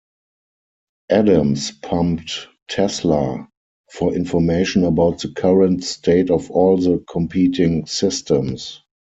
Adams pumped Tesla for information about the current state of all the competing systems.